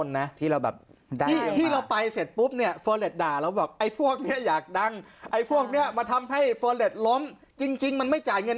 ให้ฟอเล็ตล้มจริงมันไม่จ่ายเงิน